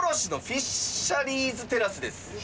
フィッシャリーズテラス？